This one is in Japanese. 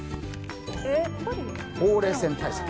ほうれい線対策